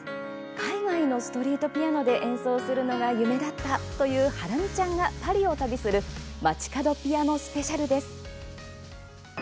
「海外のストリートピアノで演奏するのが夢だった」というハラミちゃんがパリを旅する「街角ピアノスペシャル」です。